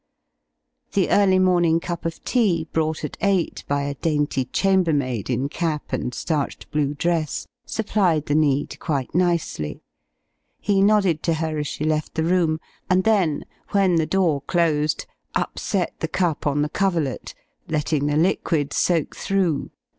The early morning cup of tea, brought at eight by a dainty chambermaid in cap and starched blue dress, supplied the need quite nicely. He nodded to her as she left the room, and then, when the door closed, upset the cup on the coverlet, letting the liquid soak through.